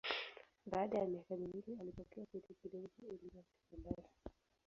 Baada ya miaka miwili alipokea cheti kidogo cha elimu ya sekondari.